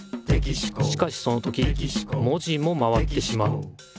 しかしその時文字も回ってしまう。